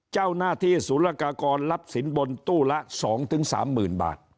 เจ้าหน้าที่สุรกากรรับสินบนตู้ละ๒๓หมื่นบาท